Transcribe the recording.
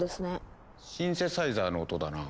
シンセサイザーの音だな。